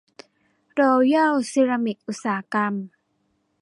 โรแยล ซีรามิค อุตสาหกรรม